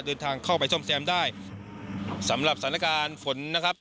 เดินทางเข้าไปซ่อมแซมได้สำหรับสถานการณ์ฝนนะครับ